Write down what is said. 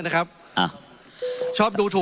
ขอบคุณครับขอบคุณครับ